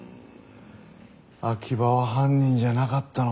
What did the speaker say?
秋葉は犯人じゃなかったのかも。